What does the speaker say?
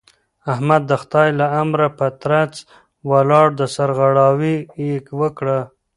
احمد د خدای له امره په ترڅ ولاړ او سرغړاوی يې وکړ.